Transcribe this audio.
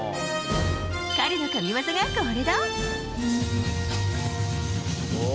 彼の神技がこれだ。